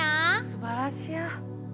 すばらしや。